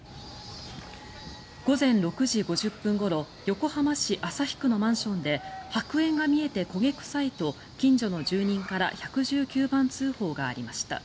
午前６時５０分ごろ横浜市旭区のマンションで白煙が見えて焦げ臭いと近所の住人から１１９番通報がありました。